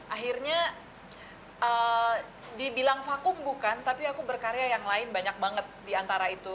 akhirnya dibilang vakum bukan tapi aku berkarya yang lain banyak banget diantara itu